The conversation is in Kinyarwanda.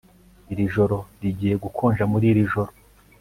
Iri joro rigiye gukonja muri iri joro